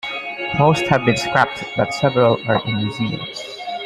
Most have been scrapped, but several are in museums.